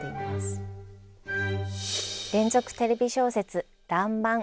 「連続テレビ小説らんまん」